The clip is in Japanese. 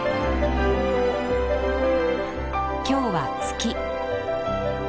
今日は「月」。